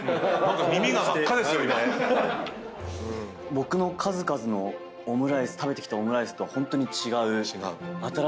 僕の数々のオムライス食べてきたオムライスとはホントに違う新しい発見ですね。